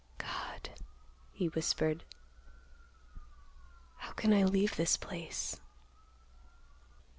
"God," he whispered, "how can I leave this place?"